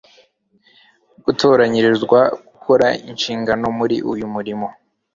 gutoranyirizwa gukora inshingano muri uyu murimo